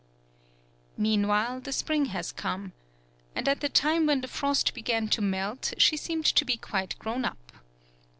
Meanwhile, the spring has come. And at the time when the frost began to melt she seemed to be quite grown up.